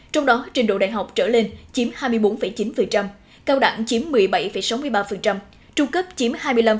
trong đó trình độ đại học trở lên chiếm hai mươi bốn chín cao đẳng chiếm một mươi bảy sáu mươi ba trung cấp chiếm hai mươi năm